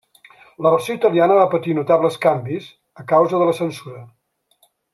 La versió italiana va patir notables canvis a causa de la censura.